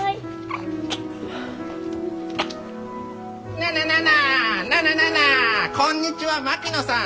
ななななななななこんにちは槙野さん。